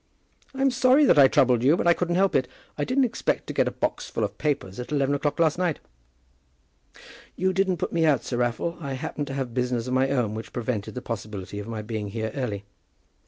"I'm sorry that I troubled you; but I couldn't help it. I didn't expect to get a box full of papers at eleven o'clock last night." "You didn't put me out, Sir Raffle; I happened to have business of my own which prevented the possibility of my being here early."